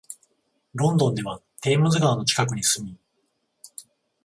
ロンドンではテームズ川の近くに住み、